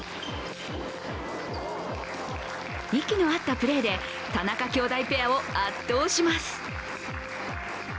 息の合ったプレーで田中きょうだいペアを圧倒します。